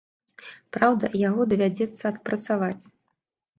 Праўда, яго давядзецца адпрацаваць.